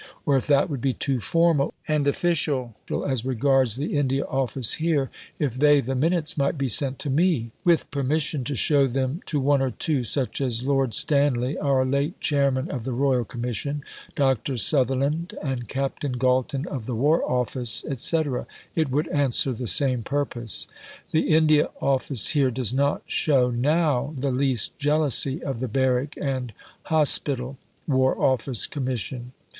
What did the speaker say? Or, if that would be too formal and official (as regards the India Office here), if they, the Minutes, might be sent to me, with permission to shew them to one or two, such as Lord Stanley (our late Chairman of the Royal Commission), Dr. Sutherland, and Capt. Galton, of the War Office, &c., it would answer the same purpose. The India Office here does not shew now the least jealousy of the Barrack and Hosp^l. (War Office) Commission.